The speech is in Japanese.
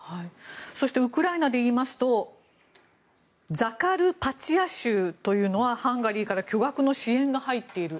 そしてウクライナで言いますとザカルパチア州というのはハンガリーから巨額の支援が入っている。